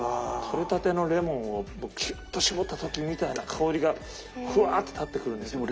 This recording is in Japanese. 取れたてのレモンをキュッと搾った時みたいな香りがフワッと立ってくるんですよね。